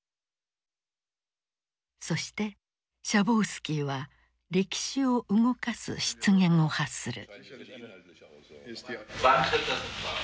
そしてシャボウスキーは歴史を動かす失言を発する。